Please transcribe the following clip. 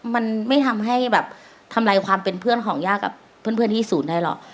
มันไม่ทำให้แบบทำลายความเป็นเพื่อนของย่ากับเพื่อนที่ศูนย์ได้หรอก